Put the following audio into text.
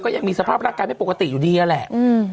ยังมีสภาพร่างกายไม่ปกติอยู่ดีนั่นแหละ